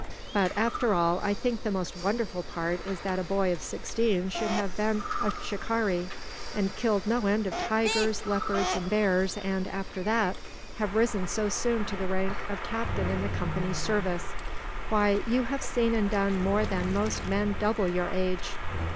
"But after all, I think the most wonderful part is that a boy of sixteen should have been a shikaree, and killed no end of tigers, leopards, and bears and, after that, have risen so soon to the rank of captain in the Company's service. Why, you have seen and done more than most men double your age!"